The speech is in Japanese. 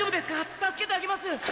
助けてあげます！